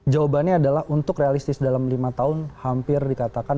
jawabannya adalah untuk realistis dalam lima tahun hampir dikatakan